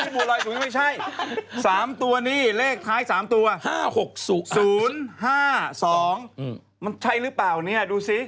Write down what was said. ไม่ใช่สามตัวนี้เลขคล้าย๓ตัว๐๕๒มันใช่หรือเปล่าเนี่ยดูซิ